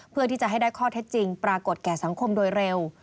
เพื่อที่จะให้ได้ข้อเท็จจริงปรากฏแก่สังคมโดยเร็ว